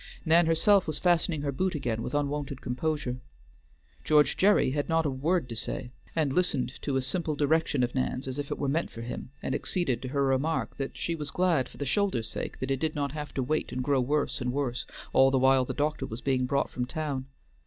Nan herself was fastening her boot again with unwonted composure. George Gerry had not a word to say, and listened to a simple direction of Nan's as if it were meant for him, and acceded to her remark that she was glad for the shoulder's sake that it did not have to wait and grow worse and worse all the while the doctor was being brought from town.